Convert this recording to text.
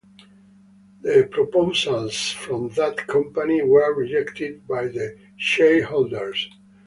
The proposals from that company were rejected by the shareholders.